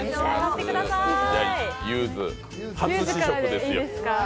ゆーづ、初試食ですよ。